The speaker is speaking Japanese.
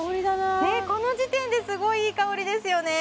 この時点ですごいいい香りですよね